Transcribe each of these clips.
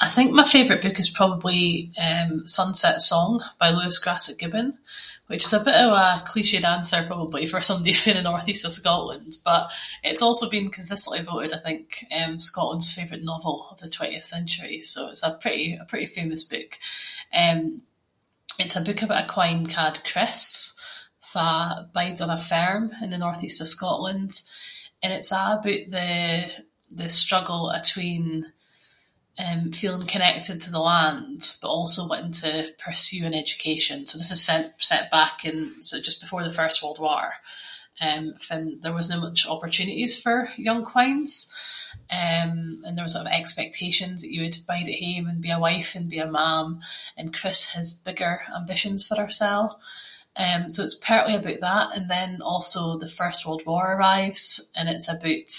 I think my favourite book is probably eh Sunset Song by Lewis Grassic Gibbon, which is a bit of a clichéd answer probably for somebody fae the North-East of Scotland, but it’s also been consistently voted I think, Scotland’s favourite novel of the twentieth century so it’s a pretty- a pretty famous book. Eh it’s a book about a quine ca’d Chris, fa bides on a farm in the North-East of Scotland, and it’s a’ aboot the- the struggle between eh feeling connected to the land but also wanting to pursue an education. So this is set- set back in sort of just before the First World War, eh fann there wasnae much opportunities for young quines, eh and there were sort of expectations that you would bide at hame and be a wife and be a mam, and Chris has bigger ambitions for hersel. Eh so it’s partly aboot that, and then also the First World War arrives and it’s a’ aboot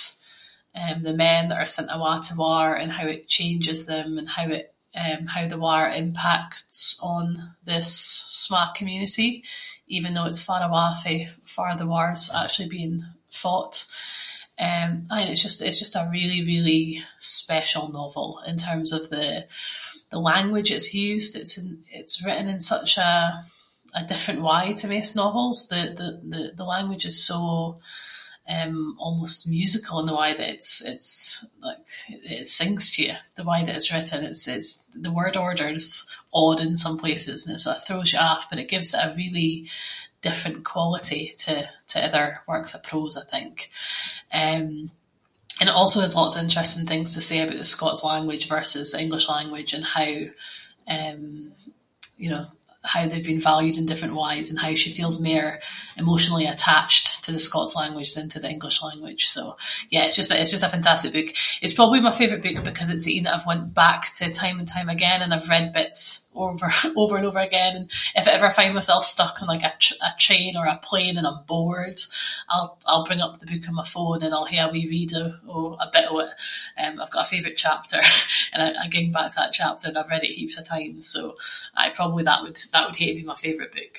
eh the men that are sent awa to war and how it changes them and how it eh- how the war impacts on this sma community, even though it’s far awa fae farr the war’s actually being fought. Eh aye, and it’s just, it’s just a really really special novel in terms of the- the language that’s used, it’s- it’s written in such a- a different way to maist novels the- the language is so, almost musical in the way that it’s- it’s like- it sings to you, the way that it’s written, it’s- it’s- the word order’s odd in some places and it sort of throws you off, but it gives it a really different quality to- to other works of prose I think. Eh, and it also has lots of interesting things to say aboot the Scots language versus the English language and how, eh you know- how they’ve been valued in different ways and how she feels mair emotionally attached to the Scots language than to the English language. So, yeah, it’s just a- it’s just a fantastic book. It’s probably my favourite book because it’s ain that I’ve went back to time and time again and I’ve read bits over and over again and if I ever find myself stuck on like a tr- a train or a plane or I’m bored, I’ll bring up the book on my phone and I’ll hae a wee read of- a bit of it. Eh I’ve got a favourite chapter and I- I ging back to that chapter and I’ve read it heaps of times. So, aye, proably that would- that would hae to be my favourite book.